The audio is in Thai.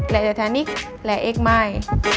แหละไททานิคแหละเอกมาย